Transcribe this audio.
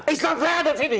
islam saya ada di sini